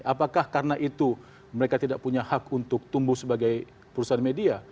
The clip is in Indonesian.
apakah karena itu mereka tidak punya hak untuk tumbuh sebagai perusahaan media